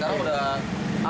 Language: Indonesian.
sekarang udah larang